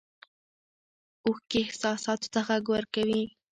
اوښکې احساساتو ته غږ ورکوي.